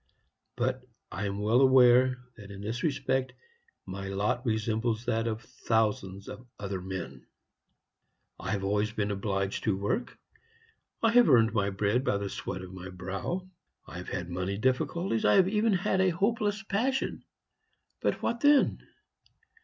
But I am well aware that, in this respect, my lot resembles that of thousands of other men. I have always been obliged to work. I have earned my bread by the sweat of my brow. I have had money difficulties; I have even had a hopeless passion but what then?